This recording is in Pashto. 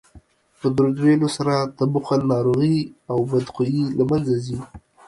په درود ویلو سره د بخل ناروغي او بدخويي له منځه ځي